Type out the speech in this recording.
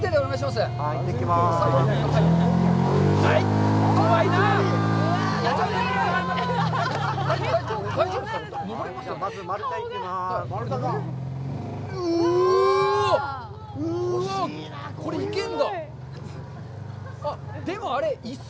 まず、丸太行きます。